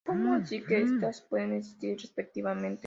Como así que estas puedan existir respectivamente.